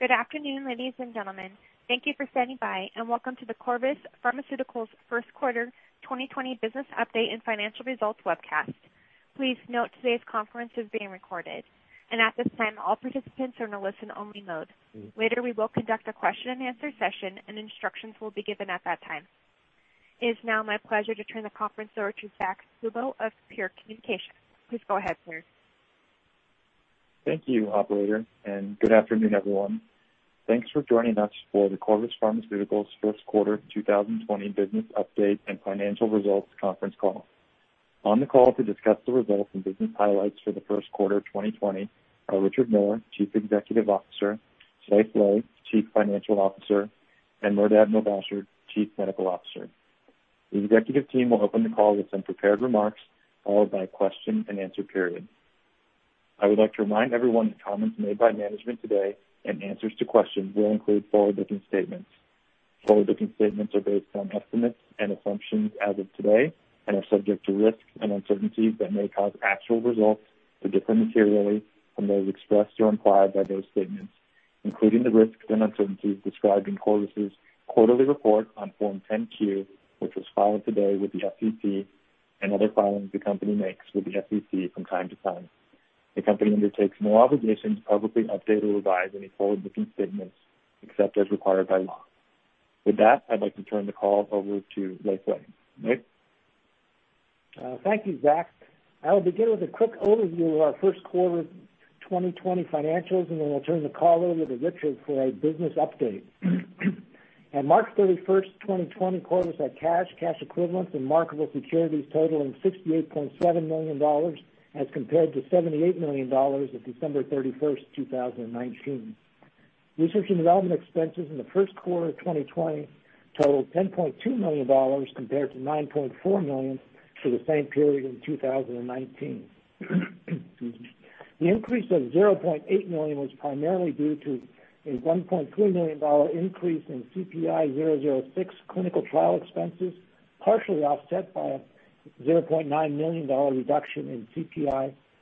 Good afternoon, ladies and gentlemen. Thank you for standing by, welcome to the Corvus Pharmaceuticals First Quarter 2020 Business Update and Financial Results webcast. Please note today's conference is being recorded. At this time, all participants are in a listen-only mode. Later, we will conduct a question and answer session, instructions will be given at that time. It is now my pleasure to turn the conference over to Zack Kubow of Pure Communications. Please go ahead, sir. Thank you, operator, and good afternoon, everyone. Thanks for joining us for the Corvus Pharmaceuticals First Quarter 2020 Business Update and Financial Results conference call. On the call to discuss the results and business highlights for the first quarter of 2020 are Richard Miller, Chief Executive Officer, Leiv Lea, Chief Financial Officer, and Mehrdad Mobasher, Chief Medical Officer. The executive team will open the call with some prepared remarks, followed by a question and answer period. I would like to remind everyone that comments made by management today and answers to questions will include forward-looking statements. Forward-looking statements are based on estimates and assumptions as of today and are subject to risks and uncertainties that may cause actual results to differ materially from those expressed or implied by those statements, including the risks and uncertainties described in Corvus's quarterly report on Form 10-Q, which was filed today with the SEC, and other filings the company makes with the SEC from time to time. The company undertakes no obligation to publicly update or revise any forward-looking statements except as required by law. With that, I'd like to turn the call over to Leiv Lea. Leiv? Thank you, Zack. I will begin with a quick overview of our first quarter 2020 financials, and then I'll turn the call over to Richard for a business update. At March 31st, 2020, Corvus had cash equivalents, and marketable securities totaling $68.7 million as compared to $78 million at December 31st, 2019. Research and development expenses in the first quarter of 2020 totaled $10.2 million compared to $9.4 million for the same period in 2019. Excuse me. The increase of $0.8 million was primarily due to a $1.3 million increase in CPI-006 clinical trial expenses, partially offset by a $0.9 million reduction in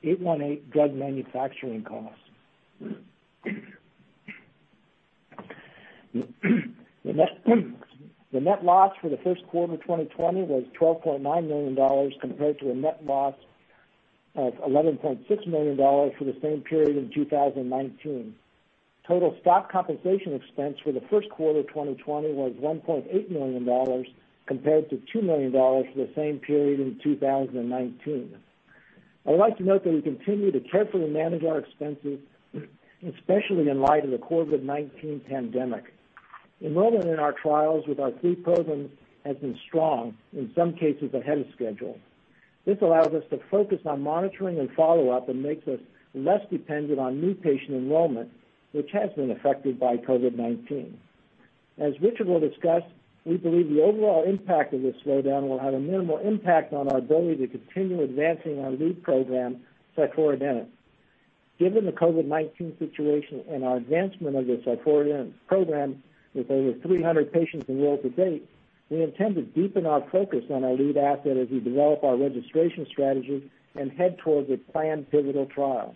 CPI-818 drug manufacturing costs. The net loss for the first quarter 2020 was $12.9 million compared to a net loss of $11.6 million for the same period in 2019. Total stock compensation expense for the first quarter 2020 was $1.8 million compared to $2 million for the same period in 2019. I would like to note that we continue to carefully manage our expenses, especially in light of the COVID-19 pandemic. Enrollment in our trials with our three programs has been strong, in some cases ahead of schedule. This allows us to focus on monitoring and follow-up and makes us less dependent on new patient enrollment, which has been affected by COVID-19. As Richard will discuss, we believe the overall impact of this slowdown will have a minimal impact on our ability to continue advancing our lead program, ciforadenant. Given the COVID-19 situation and our advancement of the ciforadenant program with over 300 patients enrolled to date, we intend to deepen our focus on our lead asset as we develop our registration strategy and head towards a planned pivotal trial.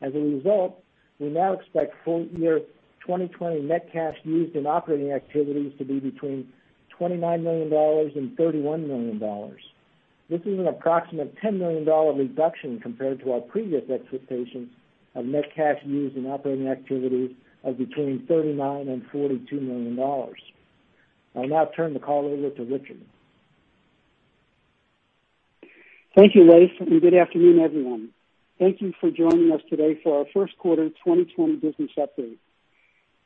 As a result, we now expect full year 2020 net cash used in operating activities to be between $29 million and $31 million. This is an approximate $10 million reduction compared to our previous expectations of net cash used in operating activities of between $39 million and $42 million. I'll now turn the call over to Richard. Thank you, Leiv, good afternoon, everyone. Thank you for joining us today for our first quarter 2020 business update.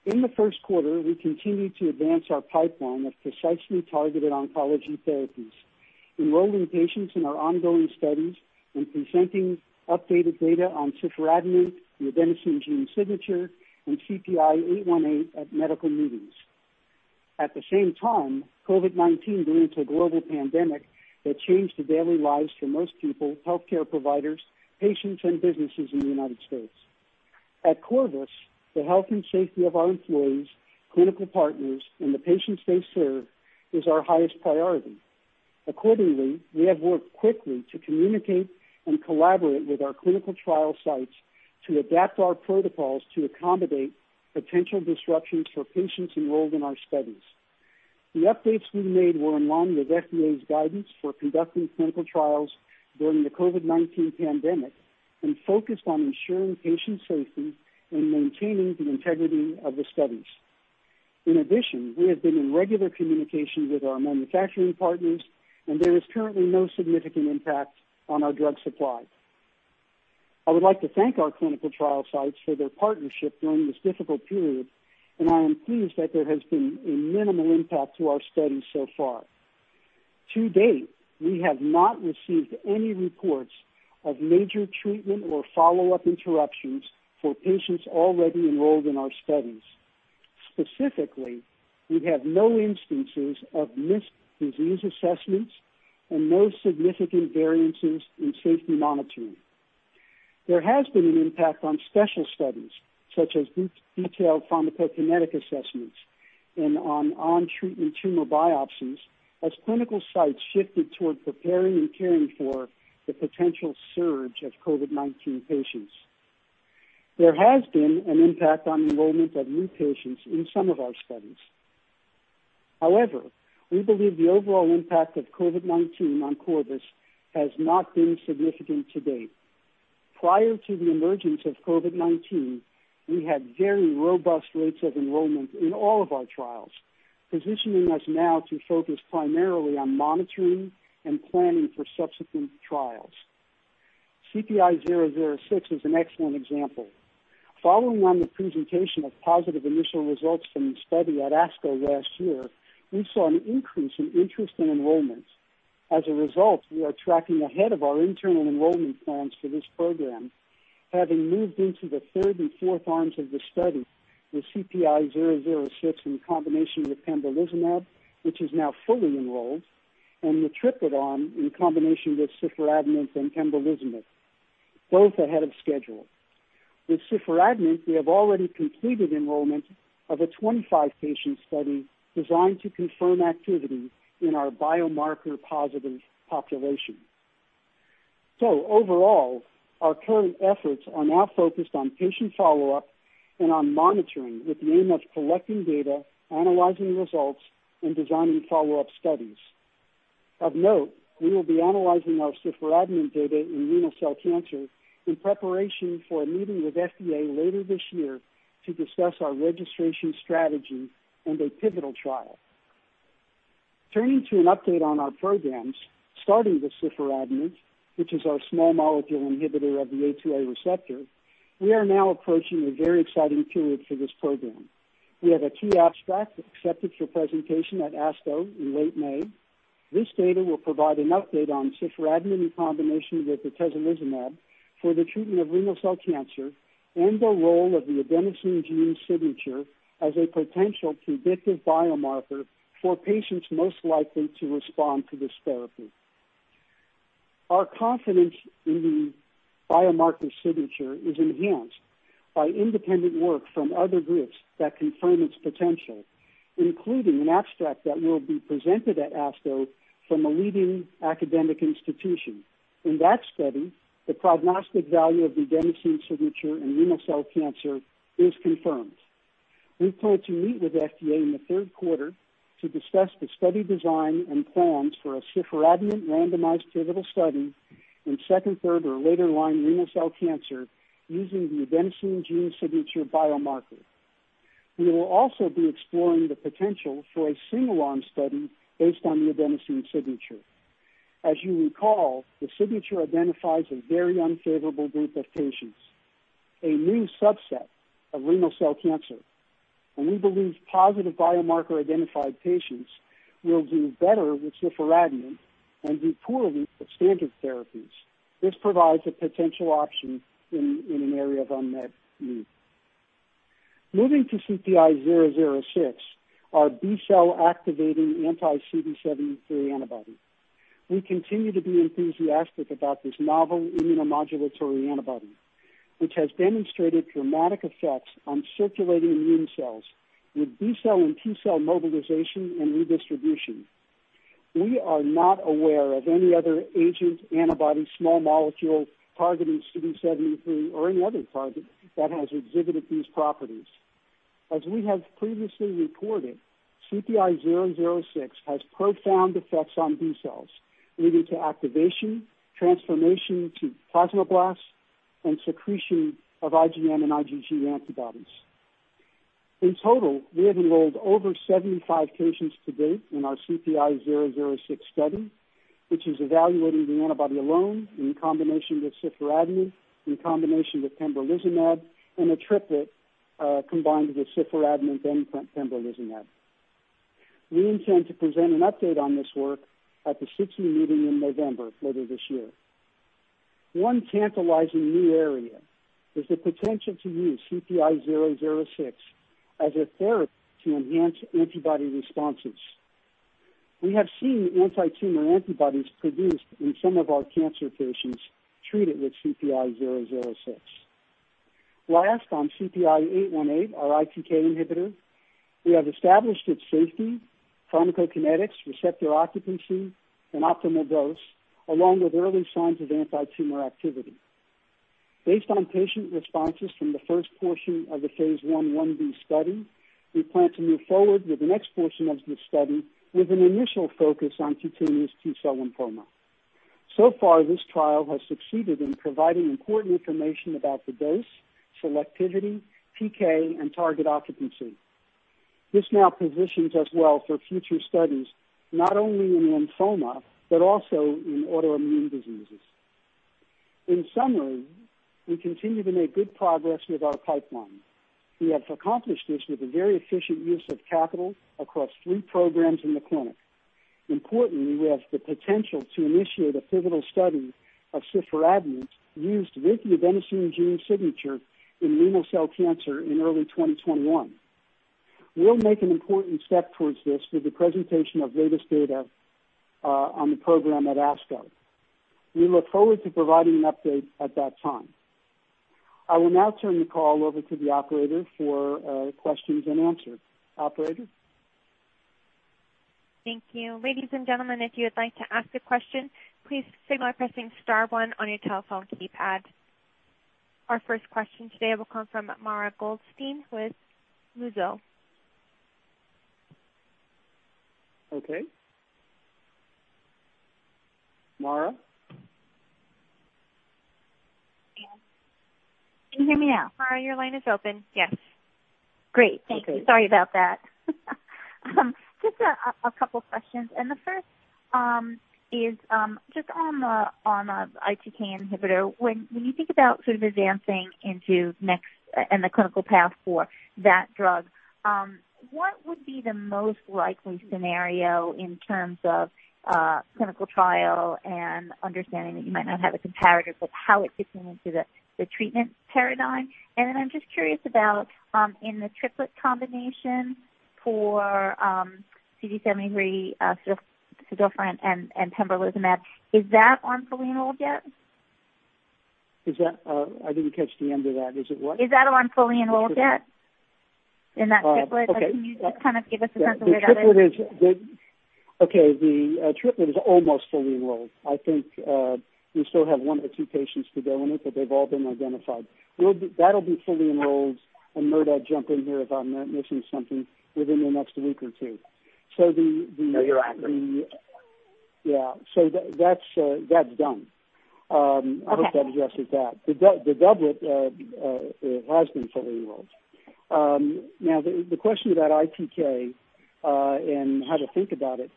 In the first quarter, we continued to advance our pipeline of precisely targeted oncology therapies, enrolling patients in our ongoing studies and presenting updated data on ciforadenant, the adenosine gene signature, and CPI-818 at medical meetings. At the same time, COVID-19 grew into a global pandemic that changed the daily lives for most people, healthcare providers, patients, and businesses in the U.S. At Corvus, the health and safety of our employees, clinical partners, and the patients they serve is our highest priority. Accordingly, we have worked quickly to communicate and collaborate with our clinical trial sites to adapt our protocols to accommodate potential disruptions for patients enrolled in our studies. The updates we made were in line with FDA's guidance for conducting clinical trials during the COVID-19 pandemic and focused on ensuring patient safety and maintaining the integrity of the studies. In addition, we have been in regular communication with our manufacturing partners, and there is currently no significant impact on our drug supply. I would like to thank our clinical trial sites for their partnership during this difficult period, and I am pleased that there has been a minimal impact to our studies so far. To date, we have not received any reports of major treatment or follow-up interruptions for patients already enrolled in our studies. Specifically, we have no instances of missed disease assessments and no significant variances in safety monitoring. There has been an impact on special studies, such as detailed pharmacokinetic assessments and on on-treatment tumor biopsies as clinical sites shifted toward preparing and caring for the potential surge of COVID-19 patients. There has been an impact on enrollment of new patients in some of our studies. We believe the overall impact of COVID-19 on Corvus has not been significant to date. Prior to the emergence of COVID-19, we had very robust rates of enrollment in all of our trials, positioning us now to focus primarily on monitoring and planning for subsequent trials. CPI-006 is an excellent example. Following on the presentation of positive initial results from the study at ASCO last year, we saw an increase in interest in enrollments. We are tracking ahead of our internal enrollment plans for this program, having moved into the third and fourth arms of the study with CPI-006 in combination with pembrolizumab, which is now fully enrolled, and the triplet arm in combination with ciforadenant and pembrolizumab, both ahead of schedule. With ciforadenant, we have already completed enrollment of a 25-patient study designed to confirm activity in our biomarker-positive population. Overall, our current efforts are now focused on patient follow-up and on monitoring with the aim of collecting data, analyzing results, and designing follow-up studies. Of note, we will be analyzing our ciforadenant data in renal cell cancer in preparation for a meeting with FDA later this year to discuss our registration strategy and a pivotal trial. Turning to an update on our programs, starting with ciforadenant, which is our small molecule inhibitor of the A2A receptor, we are now approaching a very exciting period for this program. We have a key abstract accepted for presentation at ASCO in late May. This data will provide an update on ciforadenant in combination with atezolizumab for the treatment of renal cell cancer and the role of the adenosine gene signature as a potential predictive biomarker for patients most likely to respond to this therapy. Our confidence in the biomarker signature is enhanced by independent work from other groups that confirm its potential, including an abstract that will be presented at ASCO from a leading academic institution. In that study, the prognostic value of the adenosine signature in renal cell cancer is confirmed. We plan to meet with FDA in the third quarter to discuss the study design and plans for a ciforadenant randomized pivotal study in second, third, or later-line renal cell cancer using the adenosine gene signature biomarker. We will also be exploring the potential for a single arm study based on the adenosine signature. As you recall, the signature identifies a very unfavorable group of patients, a new subset of renal cell cancer, and we believe positive biomarker-identified patients will do better with ciforadenant and do poorly with standard therapies. This provides a potential option in an area of unmet need. Moving to CPI-006, our B-cell activating anti-CD73 antibody. We continue to be enthusiastic about this novel immunomodulatory antibody, which has demonstrated dramatic effects on circulating immune cells with B-cell and T-cell mobilization and redistribution. We are not aware of any other agent, antibody, small molecule targeting CD73 or any other target that has exhibited these properties. As we have previously reported, CPI-006 has profound effects on B cells, leading to activation, transformation to plasmablasts, and secretion of IgM and IgG antibodies. In total, we have enrolled over 75 patients to date in our CPI-006 study, which is evaluating the antibody alone in combination with ciforadenant, in combination with pembrolizumab, and a triplet, combined with ciforadenant and pembrolizumab. We intend to present an update on this work at the SITC meeting in November later this year. One tantalizing new area is the potential to use CPI-006 as a therapy to enhance antibody responses. We have seen anti-tumor antibodies produced in some of our cancer patients treated with CPI-006. Last, on CPI-818, our ITK inhibitor, we have established its safety, pharmacokinetics, receptor occupancy, and optimal dose, along with early signs of anti-tumor activity. Based on patient responses from the first portion of the phase I-B study, we plan to move forward with the next portion of this study with an initial focus on cutaneous T-cell lymphoma. So far, this trial has succeeded in providing important information about the dose, selectivity, PK, and target occupancy. This now positions us well for future studies, not only in lymphoma, but also in autoimmune diseases. In summary, we continue to make good progress with our pipeline. We have accomplished this with a very efficient use of capital across three programs in the clinic. Importantly, we have the potential to initiate a pivotal study of ciforadenant used with the adenosine gene signature in renal cell cancer in early 2021. We'll make an important step towards this with the presentation of latest data on the program at ASCO. We look forward to providing an update at that time. I will now turn the call over to the operator for questions and answers. Operator? Thank you. Ladies and gentlemen, if you would like to ask a question, please signal by pressing star one on your telephone keypad. Our first question today will come from Mara Goldstein with Mizuho Securities. Okay. Mara? Can you hear me now? Mara, your line is open. Yes. Great. Thank you. Sorry about that. Just a couple questions, the first is just on the ITK inhibitor. When you think about advancing into the next and the clinical path for that drug, what would be the most likely scenario in terms of clinical trial and understanding that you might not have a comparative of how it fits into the treatment paradigm? Then I'm just curious about in the triplet combination for CD73, cifo and pembrolizumab, is that on fully enrolled yet? I didn't catch the end of that. Is it what? Is that on fully enrolled yet, in that triplet? Okay. Can you just give us a sense where the? Okay. The triplet is almost fully enrolled. I think, we still have one or two patients to go in it, but they've all been identified. That'll be fully enrolled, and Mehrdad jump in here if I'm missing something, within the next week or two. No, you're accurate. Yeah. That's done. Okay. I hope that addresses that. The doublet has been fully enrolled. The question about ITK, and how to think about it.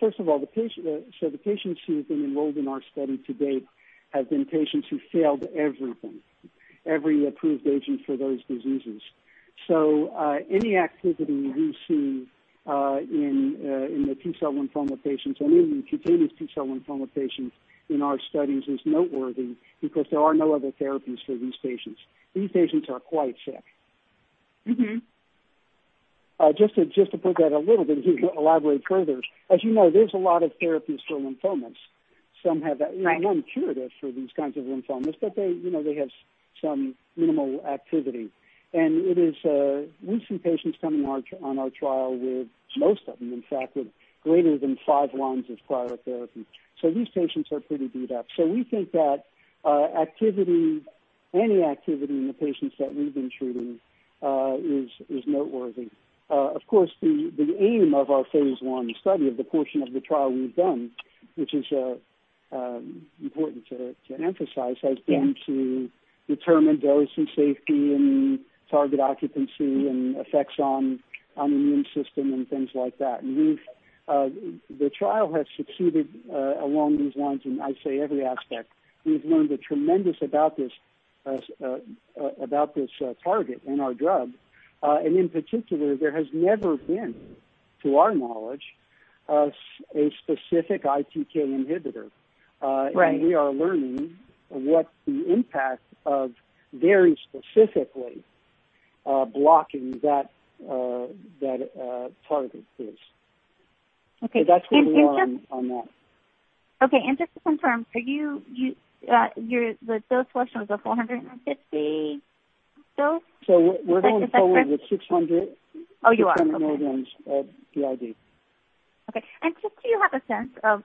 First of all, the patients who have been enrolled in our study to date have been patients who failed everything, every approved agent for those diseases. Any activity we see in the T-cell lymphoma patients and even the cutaneous T-cell lymphoma patients in our studies is noteworthy because there are no other therapies for these patients. These patients are quite sick. Just to put that a little bit elaborate further. As you know, there's a lot of therapies for lymphomas. Right. Some have non-curative for these kinds of lymphomas, but they have some minimal activity. We see patients come on our trial with, most of them, in fact, with greater than five lines of prior therapy. These patients are pretty beat up. We think that any activity in the patients that we've been treating, is noteworthy. Of course, the aim of our phase I study, of the portion of the trial we've done, which is important to emphasize, has been to determine dosage safety and target occupancy and effects on the immune system and things like that. The trial has succeeded along these lines in, I say, every aspect. We've learned tremendous about this target and our drug. In particular, there has never been, to our knowledge, a specific ITK inhibitor. Right. We are learning what the impact of very specifically blocking that target is. Okay. That's where we are on that. Okay. Just to confirm, the dose question was a 450 dose? Is that correct? We're going forward with 600. Oh, you are. Okay. 600 milligrams of BID. Okay. Just do you have a sense of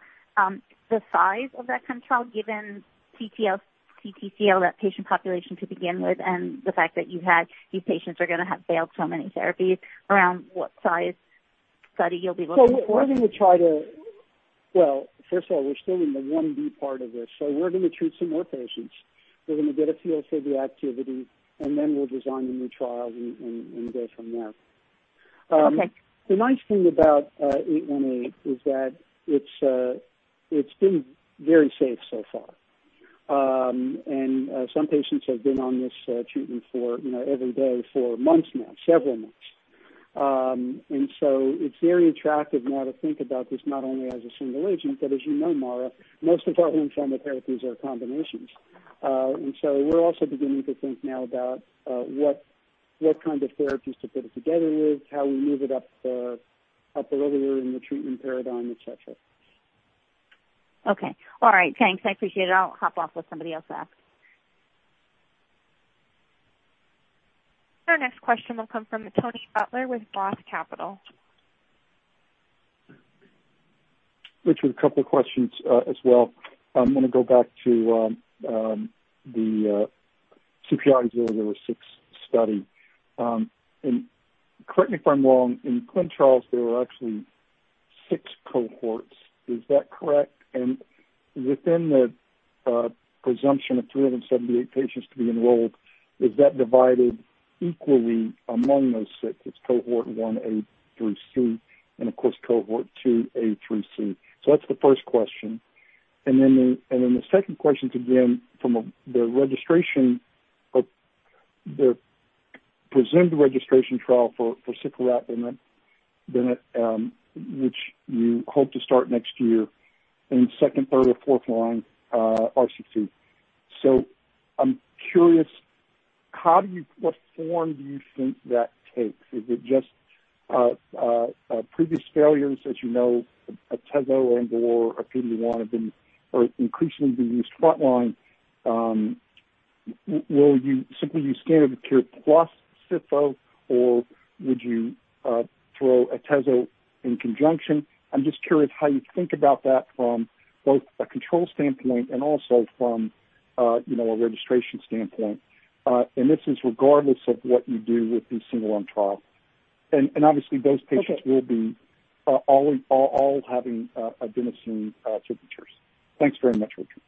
the size of that control given CTCL, that patient population to begin with, and the fact that these patients are going to have failed so many therapies, around what size study you'll be looking for? First of all, we're still in the phase I-B part of this, so we're going to treat some more patients. We're going to get a feel for the activity, and then we'll design the new trials and go from there. Okay. The nice thing about CPI-818 is that it's been very safe so far. Some patients have been on this treatment every day for months now, several months. It's very attractive now to think about this not only as a single agent, but as you know, Mara, most of our lymphoma therapies are combinations. We're also beginning to think now about what kind of therapies to put it together with, how we move it up the ladder in the treatment paradigm, et cetera. Okay. All right. Thanks. I appreciate it. I'll hop off, let somebody else ask. Our next question will come from Tony Butler with ROTH Capital. Richard, a couple of questions, as well. I'm going to go back to the CPI-006 study. Correct me if I'm wrong, in ClinicalTrials, there were actually six cohorts. Is that correct? Within the presumption of 378 patients to be enrolled, is that divided equally among those six as cohort 1A through C, and of course, cohort 2A through C? That's the first question. Then the second question is again, from the registration of the presumed registration trial for which you hope to start next year in second, third, or fourth-line RCC. I'm curious, what form do you think that takes? Is it just previous failures, as you know, atezolizumab or a PD-1 have been or increasingly been used frontline. Will you simply use standard of care plus cifo, or would you throw atezolizumab in conjunction? I'm just curious how you think about that from both a control standpoint and also from a registration standpoint. This is regardless of what you do with the single arm trial. Obviously those patients will be all having adenosine signatures. Thanks very much, Richard.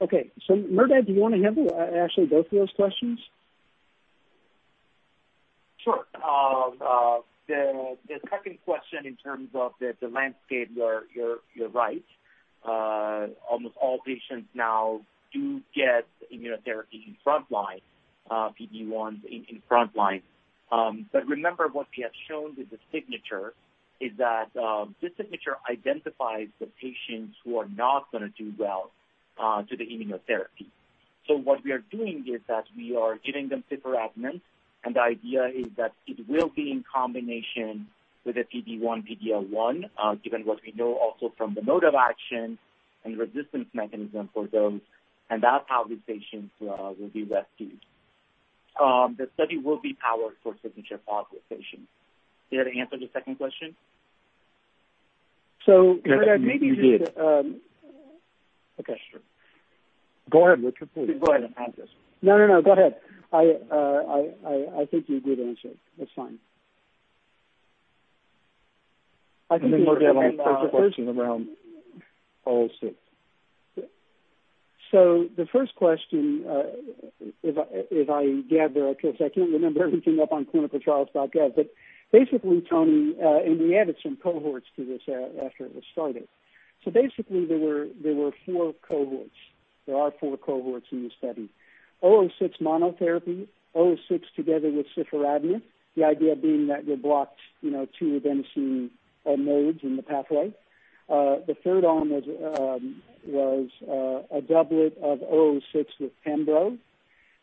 Okay. Mehrdad, do you want to handle actually both of those questions? Sure. The second question in terms of the landscape, you're right. Almost all patients now do get immunotherapy in frontline, PD-1 in frontline. Remember, what we have shown with the signature is that this signature identifies the patients who are not going to do well to the immunotherapy. What we are doing is that we are giving them ciforadenant, and the idea is that it will be in combination with a PD-1, PD-L1, given what we know also from the mode of action and resistance mechanism for those, and that's how these patients will be rescued. The study will be powered for signature positive patients. Did I answer the second question? So maybe- You did. Okay, sure. Go ahead, Richard, please. Go ahead. I have this. No, go ahead. I think you did answer it. That's fine. Mehrdad on the first question around CPI-006. The first question, if I gather it, because I can't remember everything up on clinicaltrials.gov, but Tony, and we added some cohorts to this after it was started. There were four cohorts. There are four cohorts in this study. CPI-006 monotherapy, CPI-006 together with ciforadenant, the idea being that you're blocked two adenosine nodes in the pathway. The third arm was a doublet of CPI-006 with Pembro,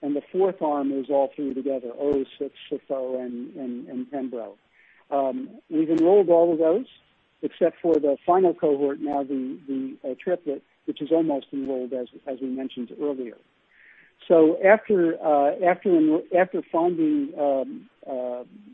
and the fourth arm is all three together, CPI-006, cifo, and Pembro. We've enrolled all of those, except for the final cohort now, the triplet, which is almost enrolled, as we mentioned earlier. After finding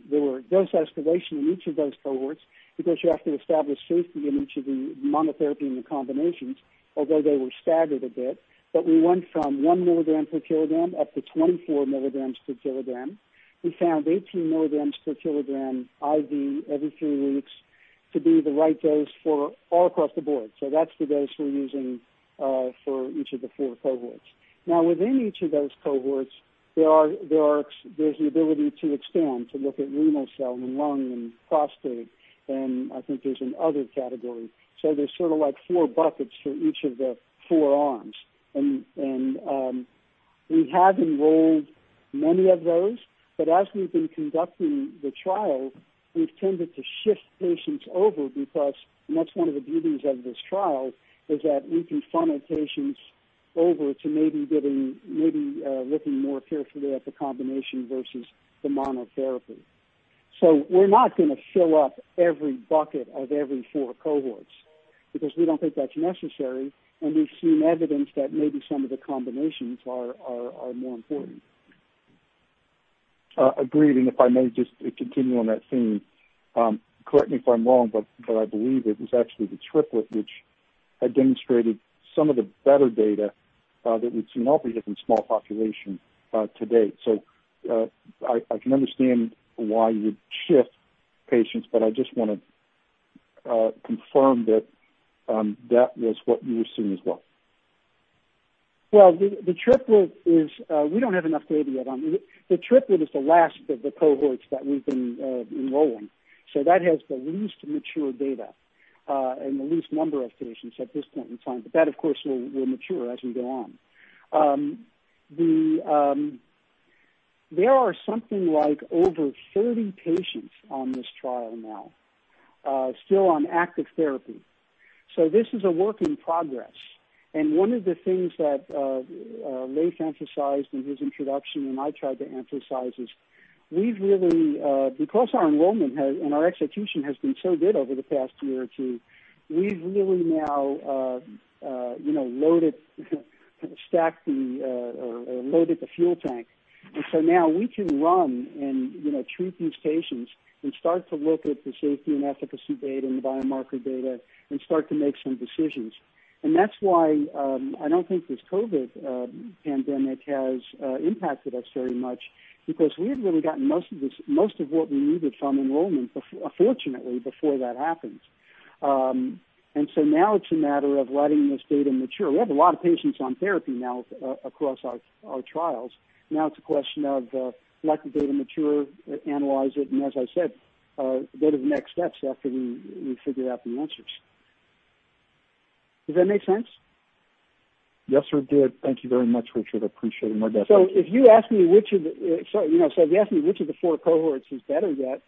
there were dose escalation in each of those cohorts, because you have to establish safety in each of the monotherapy and the combinations, although they were staggered a bit. We went from one milligram per kilogram up to 24 milligrams per kilogram. We found 18 milligrams per kilogram IV every three weeks to be the right dose for all across the board. That's the dose we're using for each of the four cohorts. Within each of those cohorts, there's the ability to extend, to look at renal cell and lung and prostate, and I think there's an other category. There's sort of four buckets for each of the four arms. We have enrolled many of those, but as we've been conducting the trial, we've tended to shift patients over because, and that's one of the beauties of this trial, is that we can funnel patients over to maybe looking more carefully at the combination versus the monotherapy. We're not going to fill up every bucket of every 4 cohorts because we don't think that's necessary, and we've seen evidence that maybe some of the combinations are more important. Agreed. If I may just continue on that theme, correct me if I'm wrong, but I believe it is actually the triplet which had demonstrated some of the better data that we've seen, albeit in small population, to date. I can understand why you would shift patients, but I just want to confirm that that was what you were seeing as well. Well, the triplet is, we don't have enough data yet on it. The triplet is the last of the cohorts that we've been enrolling, so that has the least mature data, and the least number of patients at this point in time. That, of course, will mature as we go on. There are something like over 30 patients on this trial now, still on active therapy. This is a work in progress. One of the things that Leiv emphasized in his introduction, and I tried to emphasize, is because our enrollment and our execution has been so good over the past year or two, we've really now loaded the fuel tank. Now we can run and treat these patients and start to look at the safety and efficacy data and the biomarker data and start to make some decisions. That's why I don't think this COVID pandemic has impacted us very much, because we had really gotten most of what we needed from enrollment, fortunately, before that happened. Now it's a matter of letting this data mature. We have a lot of patients on therapy now across our trials. Now it's a question of let the data mature, analyze it, and as I said, go to the next steps after we figure out the answers. Does that make sense? Yes, sir, it did. Thank you very much, Richard. I appreciate it. Mehrdad. If you ask me which of the four cohorts is better yet,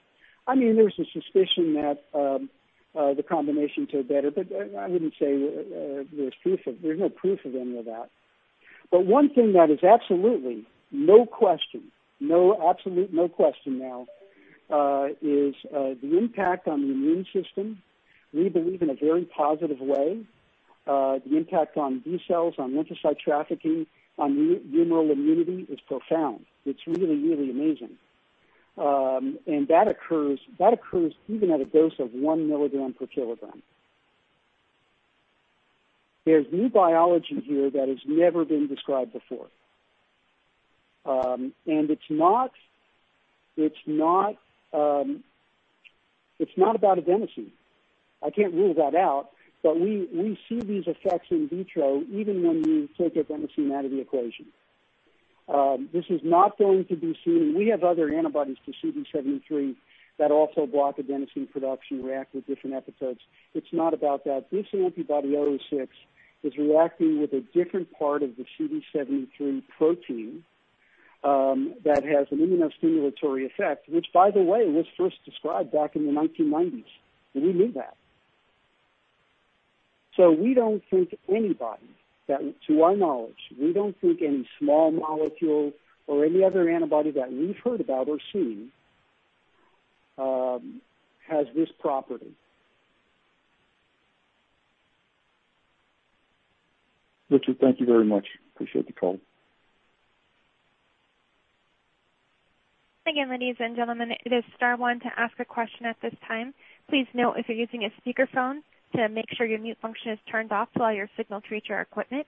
there's a suspicion that the combination to better, but I wouldn't say there's proof of, there's no proof of any of that. One thing that is absolutely no question, absolute no question now, is the impact on the immune system. We believe in a very positive way, the impact on B cells, on lymphocyte trafficking, on humoral immunity is profound. It's really amazing. That occurs even at a dose of 1 milligram per kilogram. There's new biology here that has never been described before. It's not about adenosine. I can't rule that out, but we see these effects in vitro even when you take adenosine out of the equation. This is not going to be seen. We have other antibodies to CD73 that also block adenosine production, react with different epitopes. It's not about that. This antibody, 006, is reacting with a different part of the CD73 protein that has an immunostimulatory effect, which, by the way, was first described back in the 1990s. We knew that. We don't think anybody, to our knowledge, we don't think any small molecule or any other antibody that we've heard about or seen has this property. Richard, thank you very much. Appreciate the call. Again, ladies and gentlemen, it is star one to ask a question at this time. Please note if you're using a speakerphone to make sure your mute function is turned off to allow your signal to reach our equipment.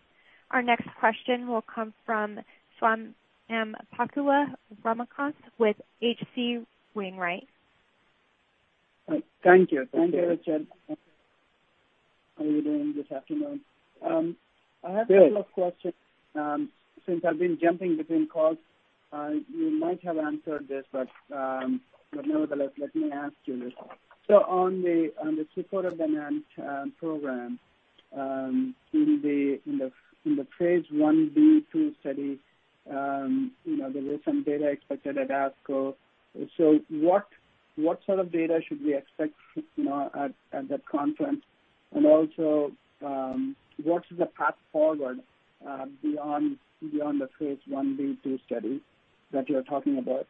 Our next question will come from Swayampakula Ramakanth with H.C. Wainwright. Thank you, Richard. How are you doing this afternoon? Good. I have a couple of questions. Since I've been jumping between calls, you might have answered this, but nevertheless, let me ask you this. On the support of the CPI-006 program, in the phase I-B/II study, there is some data expected at ASCO. Also, what is the path forward beyond the phase I-B/II study that you're talking about?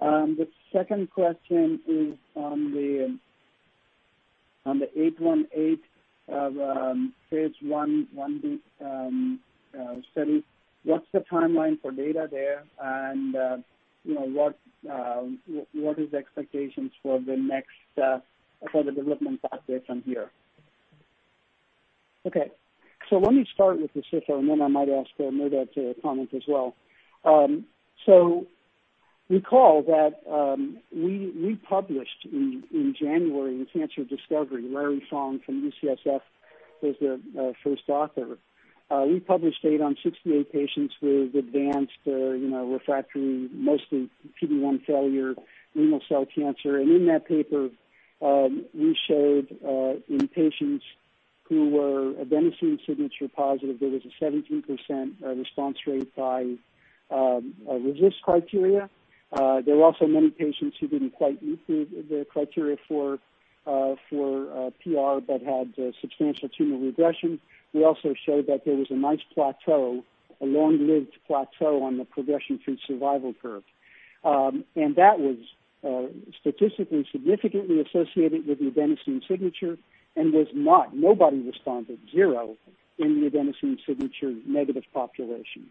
The second question is on the 818 of phase I/I-B study, what's the timeline for data there, and what is the expectations for the development pathway from here? Okay. Let me start with the cifo, and then I might ask Mehrdad to comment as well. Recall that we published in January in Cancer Discovery, Lawrence Fong from UCSF was the first author. We published data on 68 patients with advanced refractory, mostly PD-1 failure renal cell cancer. In that paper, we showed in patients who were adenosine signature positive, there was a 17% response rate by RECIST criteria. There were also many patients who didn't quite meet the criteria for PR but had substantial tumor regression. We also showed that there was a nice plateau, a long-lived plateau on the progression-free survival curve. That was statistically significantly associated with the adenosine signature and was not, nobody responded, zero, in the adenosine signature negative population.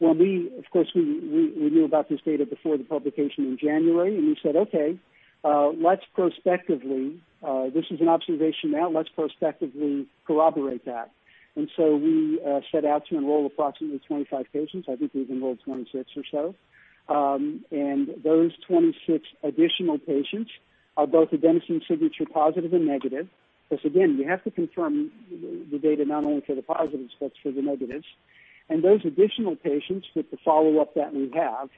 Of course, we knew about this data before the publication in January, and we said, "Okay. This is an observation now. Let's prospectively corroborate that. We set out to enroll approximately 25 patients. I think we've enrolled 26 or so. Those 26 additional patients are both adenosine signature positive and negative. Because, again, you have to confirm the data not only for the positives but for the negatives. Those additional patients with the follow-up that we have,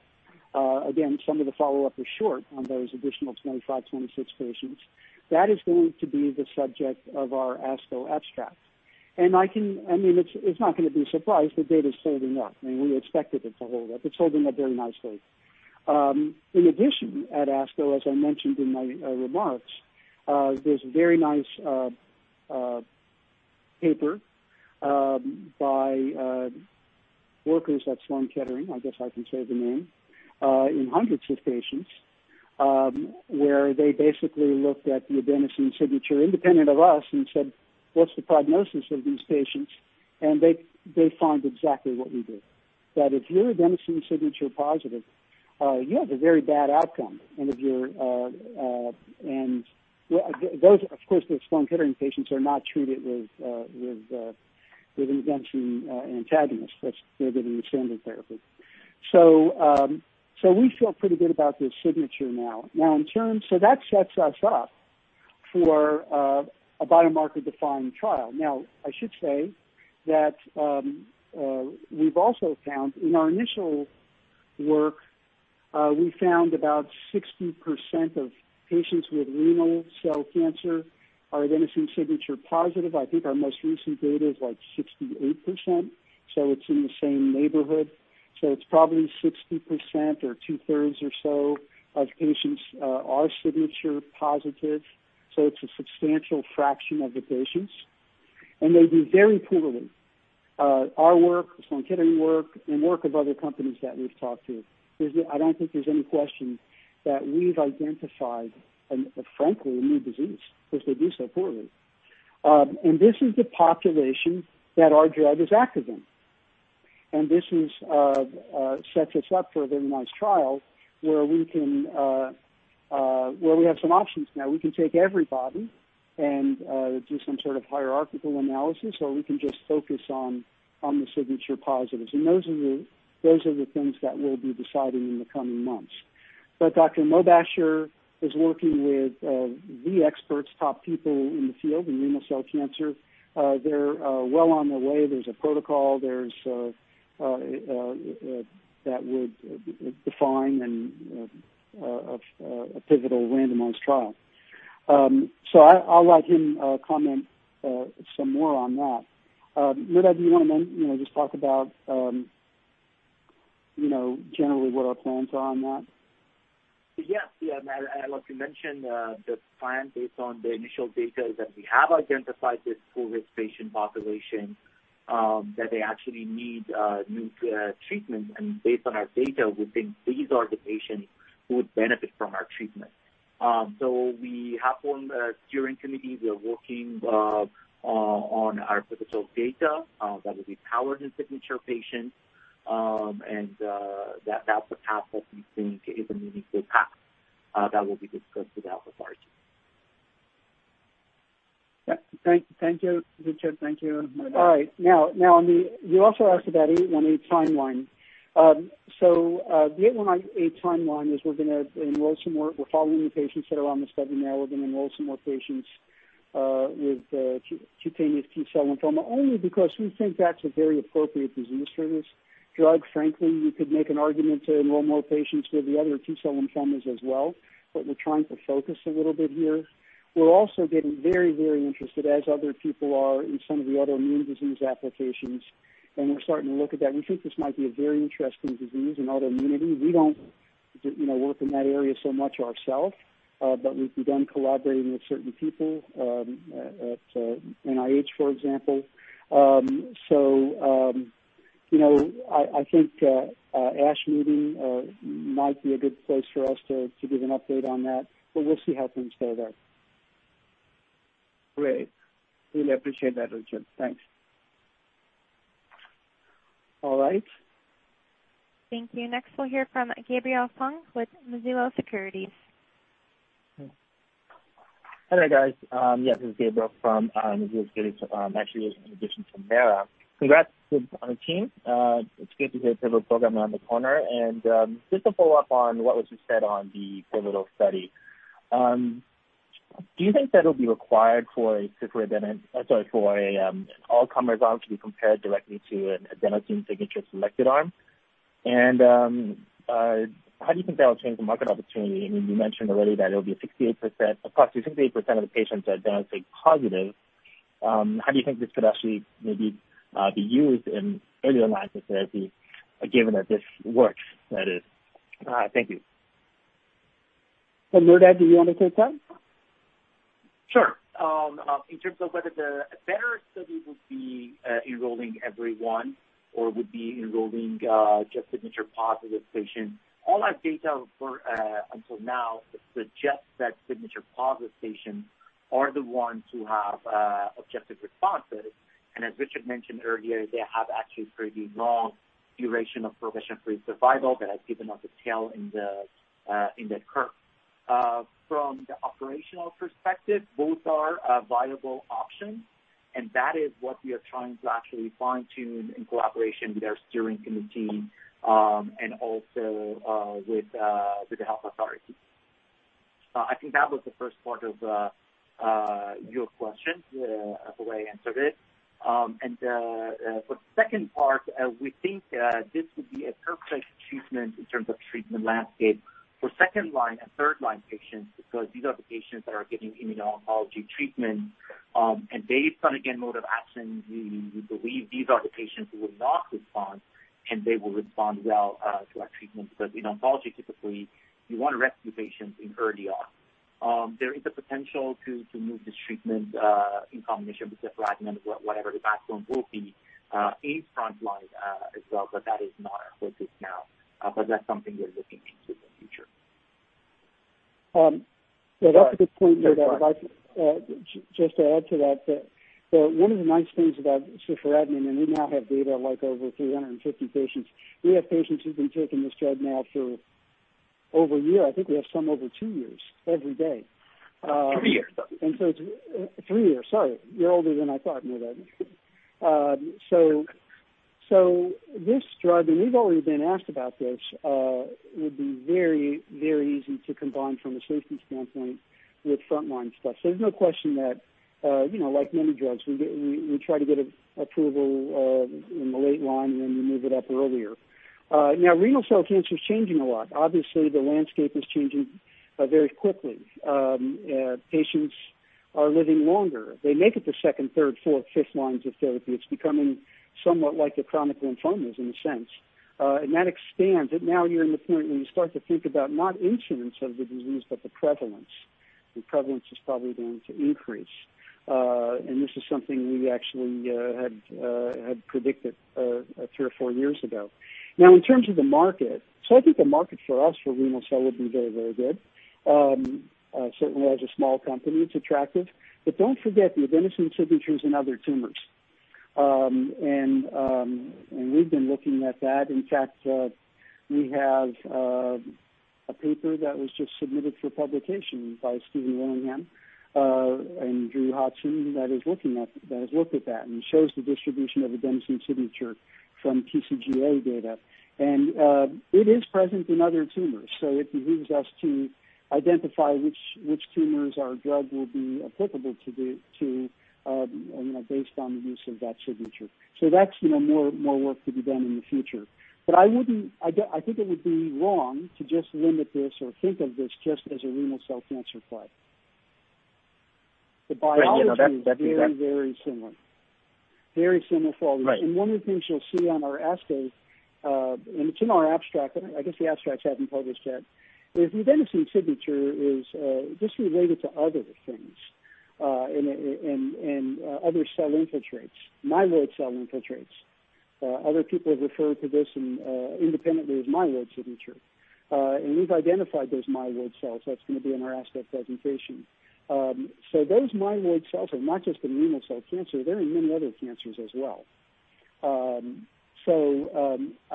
again, some of the follow-up is short on those additional 25, 26 patients. That is going to be the subject of our ASCO abstract. It's not going to be a surprise. The data is holding up. We expected it to hold up. It's holding up very nicely. In addition, at ASCO, as I mentioned in my remarks, there's a very nice paper by workers at Sloan Kettering, I guess I can say the name, in hundreds of patients, where they basically looked at the adenosine signature independent of us and said, "What's the prognosis of these patients?" They find exactly what we did. If you're adenosine signature positive, you have a very bad outcome. Of course, those Sloan Kettering patients are not treated with adenosine antagonists. They're getting the standard therapy. We feel pretty good about this signature now. That sets us up for a biomarker-defined trial. I should say that we've also found in our initial work, we found about 60% of patients with renal cell cancer are adenosine signature positive. I think our most recent data is like 68%, so it's in the same neighborhood. So it's probably 60% or two-thirds or so of patients are signature positive, so it's a substantial fraction of the patients, and they do very poorly. Our work, Sankyo work, and work of other companies that we've talked to, I don't think there's any question that we've identified, frankly, a new disease, because they do so poorly. This is the population that our drug is active in. This sets us up for a very nice trial where we have some options now. We can take everybody and do some sort of hierarchical analysis, or we can just focus on the signature positives. Those are the things that we'll be deciding in the coming months. Dr. Mobasher is working with the experts, top people in the field in renal cell cancer. They're well on their way. There's a protocol that would define a pivotal randomized trial. I'll let him comment some more on that. Mehrdad, do you want to just talk about generally what our plans are on that? Yes. Like you mentioned, the plan based on the initial data is that we have identified this poor risk patient population, that they actually need new treatment, and based on our data, we think these are the patients who would benefit from our treatment. We have formed a steering committee. We're working on our pivotal data that will be powered in signature patients, and that's a path that we think is a meaningful path that will be discussed with the health authority. Thank you, Richard. Thank you, Mehrdad. You also asked about 818 timeline. The 818 timeline is we're following the patients that are on the study now. We're going to enroll some more patients with cutaneous T-cell lymphoma, only because we think that's a very appropriate disease for this drug. Frankly, we could make an argument to enroll more patients with the other T-cell lymphomas as well, but we're trying to focus a little bit here. We're also getting very interested, as other people are, in some of the other immune disease applications, and we're starting to look at that. We think this might be a very interesting disease in autoimmunity. We don't work in that area so much ourself, but we've begun collaborating with certain people at NIH, for example. I think ASH Meeting might be a good place for us to give an update on that, but we'll see how things go there. Great. Really appreciate that, Richard. Thanks. All right. Thank you. Next, we'll hear from Gabriel Fung with Mizuho Securities. Hi, guys. This is Gabriel from Mizuho Securities, actually, in addition to Mara. Congrats on the team. It's great to hear pivotal program around the corner. Just to follow up on what was just said on the pivotal study. Do you think that'll be required for a ciforadenant, sorry, for an all-comers arm to be compared directly to an adenosine signature-selected arm? How do you think that will change the market opportunity? I mean, you mentioned already that it'll be approximately 68% of the patients are denosig positive. How do you think this could actually maybe be used in earlier lines of therapy, given that this works, that is? Thank you. Mehrdad, do you want to take that? Sure. In terms of whether the better study would be enrolling everyone or would be enrolling just signature positive patients, all our data until now suggests that signature positive patients are the ones who have objective responses. As Richard mentioned earlier, they have actually pretty long duration of progression-free survival that has given us a tail in that curve. From the operational perspective, both are viable options, and that is what we are trying to actually fine-tune in collaboration with our steering committee, and also with the health authorities. I think that was the first part of your question, the way I answered it. For the second part, we think this would be a perfect treatment in terms of treatment landscape for second-line and third-line patients, because these are the patients that are getting immuno-oncology treatment. Based on, again, mode of action, we believe these are the patients who will not respond, and they will respond well to our treatment. In oncology, typically, you want to rescue patients in early on. There is a potential to move this treatment in combination with the ciforadenant, whatever the backbone will be, in front line as well. That is not our focus now. That's something we're looking into in the future. That's a good point, Mehrdad. Just to add to that, one of the nice things about ciforadenant, and we now have data, like over 350 patients. We have patients who've been taking this drug now for over a year. I think we have some over two years, every day. Three years. Three years, sorry. You're older than I thought, Mehrdad. This drug, and we've already been asked about this, would be very easy to combine from a safety standpoint with front-line stuff. There's no question that, like many drugs, we try to get approval in the late line, and then we move it up earlier. Now, renal cell cancer is changing a lot. Obviously, the landscape is changing very quickly. Patients are living longer. They make it to 2nd, 3rd, 4th, 5th lines of therapy. It's becoming somewhat like a chronic lymphoma in a sense. That expands, and now you're in the point where you start to think about not incidence of the disease, but the prevalence. The prevalence is probably going to increase. This is something we actually had predicted three or four years ago. In terms of the market, I think the market for us for renal cell would be very, very good. Certainly as a small company, it's attractive. Don't forget the adenosine signatures in other tumors. We've been looking at that. In fact, we have a paper that was just submitted for publication by Daniel Willingham and Drew Hotson that has looked at that and shows the distribution of adenosine signature from TCGA data. It is present in other tumors. It behooves us to identify which tumors our drug will be applicable to based on the use of that signature. That's more work to be done in the future. I think it would be wrong to just limit this or think of this just as a renal cell cancer play. Right. The biology is very, very similar. Very similar for all these. Right. One of the things you'll see on our ASCO, and it's in our abstract, I guess the abstracts haven't published yet, is the adenosine signature is this related to other things, and other cell infiltrates, myeloid cell infiltrates. Other people have referred to this independently as myeloid signature. We've identified those myeloid cells. That's going to be in our ASCO presentation. Those myeloid cells are not just in renal cell cancer. They're in many other cancers as well. I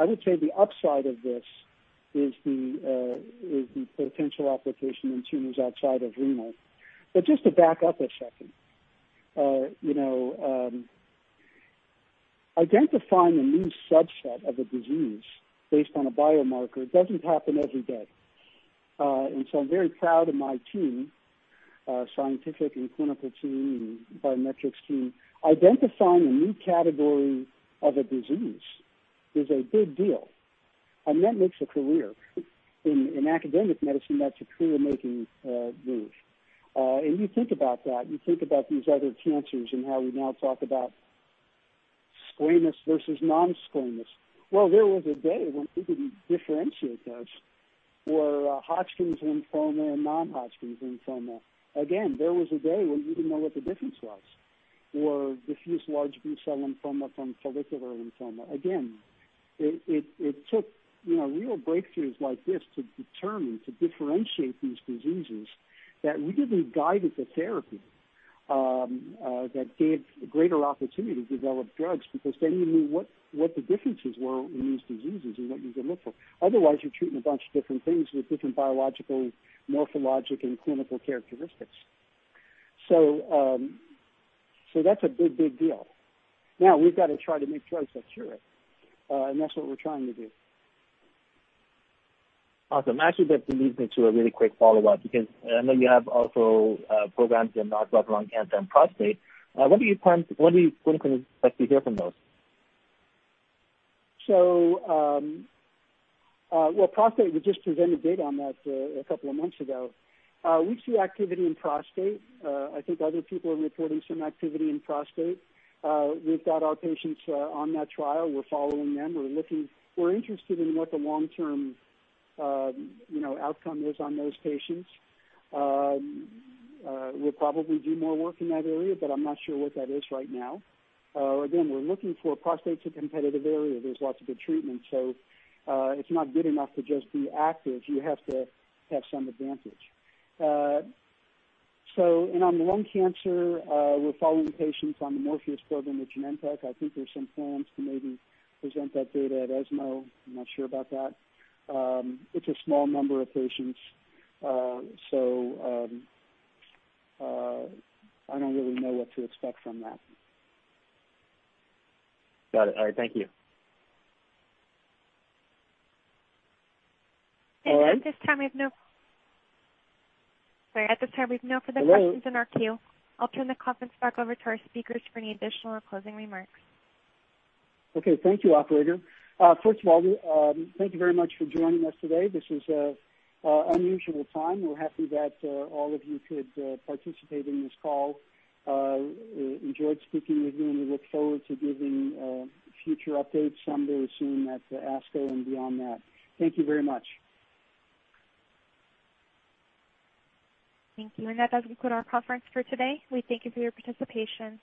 would say the upside of this is the potential application in tumors outside of renal. Just to back up a second. Identifying a new subset of a disease based on a biomarker doesn't happen every day. I'm very proud of my team, scientific and clinical team, and biometrics team. Identifying a new category of a disease is a big deal, and that makes a career. In academic medicine, that's a career-making move. You think about that, you think about these other cancers and how we now talk about squamous versus non-squamous. There was a day when we didn't differentiate those. Hodgkin's lymphoma and non-Hodgkin lymphoma. Again, there was a day when we didn't know what the difference was. Diffuse large B-cell lymphoma from follicular lymphoma. Again, it took real breakthroughs like this to determine, to differentiate these diseases that really guided the therapy, that gave greater opportunity to develop drugs, because then you knew what the differences were in these diseases and what you could look for. Otherwise, you're treating a bunch of different things with different biological, morphologic, and clinical characteristics. That's a big, big deal. Now we've got to try to make drugs that cure it. That's what we're trying to do. Awesome. Actually, that leads me to a really quick follow-up, because I know you have also programs in non-small cell lung cancer and prostate. When can we expect to hear from those? Well, prostate, we just presented data on that a couple of months ago. We see activity in prostate. I think other people are reporting some activity in prostate. We've got our patients on that trial. We're following them. We're interested in what the long-term outcome is on those patients. We'll probably do more work in that area. I'm not sure what that is right now. We're looking for prostate's a competitive area. There's lots of good treatment. It's not good enough to just be active. You have to have some advantage. On the lung cancer, we're following patients on the MORPHEUS program with Genentech. I think there's some plans to maybe present that data at ESMO. I'm not sure about that. It's a small number of patients. I don't really know what to expect from that. Got it. All right. Thank you. And- At this time, we have no further questions in our queue. I'll turn the conference back over to our speakers for any additional or closing remarks. Okay. Thank you, operator. First of all, thank you very much for joining us today. This is an unusual time. We're happy that all of you could participate in this call. Enjoyed speaking with you, and we look forward to giving future updates someday soon at ASCO and beyond that. Thank you very much. Thank you. That does conclude our conference for today. We thank you for your participation.